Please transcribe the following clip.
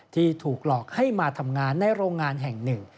ที่ถูกหลอกให้มาทำงานในโรงงานแห่งหนึ่ง